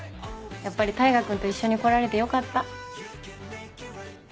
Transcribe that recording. やっぱり大牙君と一緒に来られてよかった。